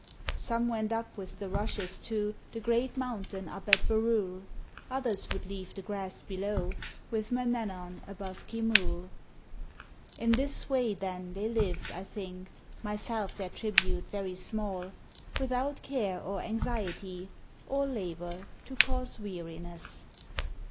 Some went up with the rushes to The great mountain up at Barrule; Others would leave the grass below, With Manannan above Keamool. In this way, then, they lived, I think Myself their tribute very small, Without care or anxiety, Or labour to cause weariness.